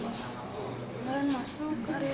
hari rambut hari rambut